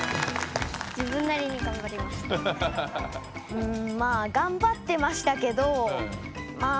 うんまあがんばってましたけどまあ